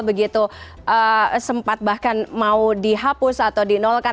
begitu sempat bahkan mau dihapus atau di nol kan